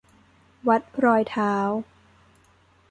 วัดรอยเท้า